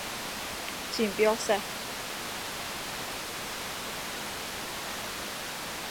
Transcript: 科扎克还参加过多届世界锦标赛和欧洲锦标赛。